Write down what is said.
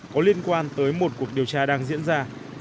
có liên quan tới một cuộc điều tra đang diễn ra